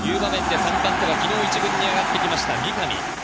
３番手は昨日１軍に上がってきた三上。